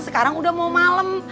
sekarang udah mau malem